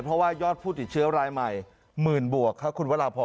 เพราะว่ายอดผู้ติดเชื้อรายใหม่หมื่นบวกครับคุณวราพร